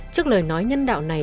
trước lời nói nhân đạo này